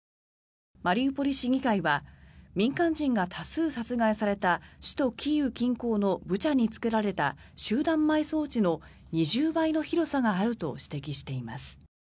マリウポリ市議会は民間人が多数殺害された首都キーウ近郊のブチャに作られた集団埋葬地の２０倍の広さがあると指摘しています。